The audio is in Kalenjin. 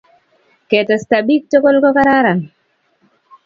ketesta bik tugul ko kararan